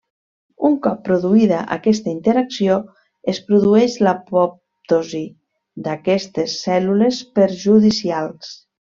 Un cop produïda aquesta interacció, es produeix l’apoptosi d’aquestes cèl·lules perjudicials.